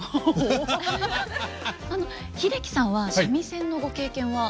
英樹さんは三味線のご経験は？